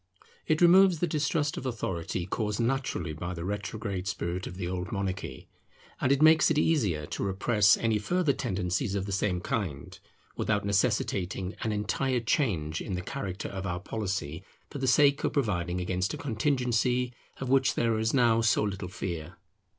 It removes the distrust of authority caused naturally by the retrograde spirit of the old monarchy; and it makes it easier to repress any further tendencies of the same kind, without necessitating an entire change in the character of our policy for the sake of providing against a contingency, of which there is now so little fear.